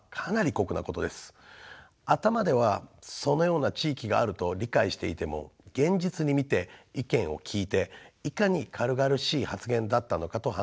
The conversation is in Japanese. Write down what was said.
頭ではそのような地域があると理解していても現実に見て意見を聞いていかに軽々しい発言だったのかと反省もしました。